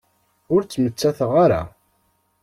Ur ttmettateɣ ara.